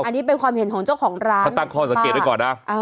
อันนี้เป็นความเห็นของเจ้าของร้านเขาตั้งข้อสังเกตไว้ก่อนนะ